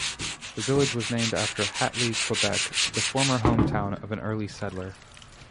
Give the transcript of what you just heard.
The village was named after Hatley, Quebec, the former hometown of an early settler.